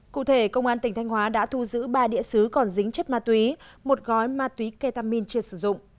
cụ thể công an tỉnh thanh hóa đã thu giữ ba địa sứ còn dính chất ma túy một gói ma túy ketamin chưa sử dụng